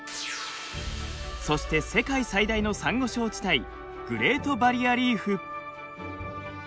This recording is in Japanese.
そして世界最大のサンゴ礁地帯グレート・バリア・リーフ。